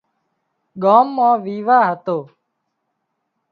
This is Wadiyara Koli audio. ڳام مان ويواه هتو